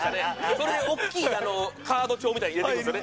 それでおっきいカード帳みたいのに入れてくんですよね